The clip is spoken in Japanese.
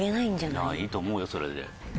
いいと思うよそれで。